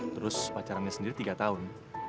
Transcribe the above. terus pacarannya sendiri tiga tahun